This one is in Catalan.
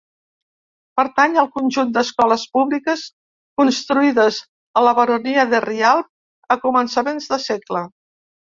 Pertany al conjunt d'escoles públiques construïdes a la Baronia de Rialb a començaments de segle.